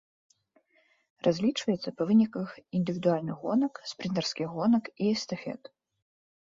Разлічваецца па выніках індывідуальных гонак, спрынтарскіх гонак і эстафет.